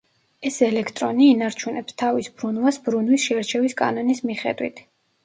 ეს ელექტრონი ინარჩუნებს თავის ბრუნვას ბრუნვის შერჩევის კანონის მიხედვით.